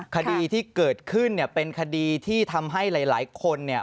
คดีที่เกิดขึ้นเนี่ยเป็นคดีที่ทำให้หลายคนเนี่ย